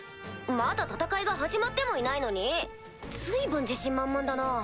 まだ戦いが始まってもいないのに⁉随分自信満々だな。